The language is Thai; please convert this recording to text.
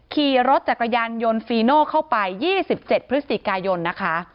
ขี่รถจากกระยันยนต์ฟีโน่เข้าไป๒๗พกนะคะ